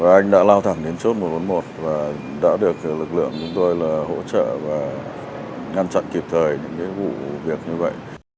anh đã lao thẳng đến chốt một trăm bốn mươi một và đã được lực lượng chúng tôi là hỗ trợ và ngăn chặn kịp thời những vụ việc như vậy